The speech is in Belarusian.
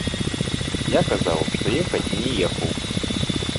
Я казаў, што ехаць не ехаў.